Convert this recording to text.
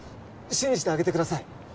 信じてあげてください